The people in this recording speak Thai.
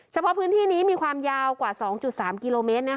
เฉพาะพื้นที่นี้มีความยาวกว่า๒๓กิโลเมตร